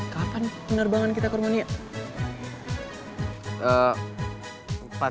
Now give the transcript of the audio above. kapan penerbangan kita ke rumania